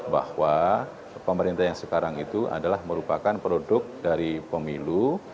bahwa pemerintah yang sekarang itu adalah merupakan produk dari pemilu